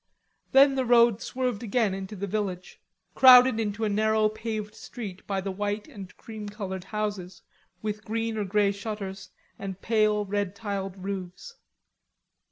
Then the road swerved again into the village, crowded into a narrow paved street by the white and cream colored houses with green or grey shutters and pale, red tiled roofs.